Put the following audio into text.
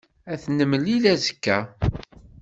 Ad t-nemlil azekka.